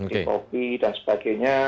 di copy dan sebagainya